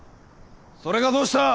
それがどうした！